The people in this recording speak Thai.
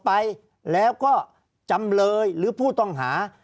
ภารกิจสรรค์ภารกิจสรรค์